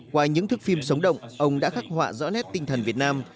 qua những thức phim sống động ông đã khắc họa rõ nét tinh thần việt nam